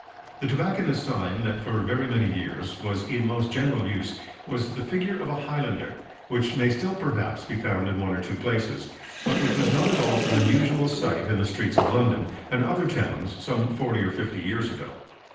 The tobacconists' sign that for very many years was in most general use was the figure of a highlander, which may still perhaps be found in one or two places, but which was not at all an unusual sight in the streets of London and other towns some forty or fifty years ago.